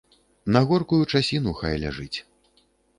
На горкую часіну хай ляжыць.